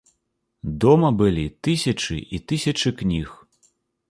Дома былі тысячы і тысячы кніг.